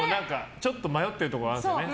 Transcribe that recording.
ちょっと迷ってるところあるよね。